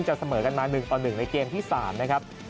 เสมอกันมา๑ต่อ๑ในเกมที่๓นะครับ